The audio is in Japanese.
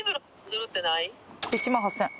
１万８，０００円。